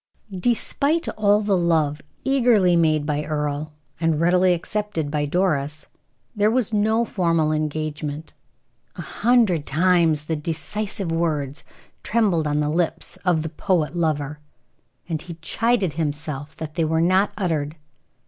Despite all the love eagerly made by Earle, and readily accepted by Doris, there was no formal engagement. A hundred times the decisive words trembled on the lips of the poet lover, and he chided himself that they were not uttered.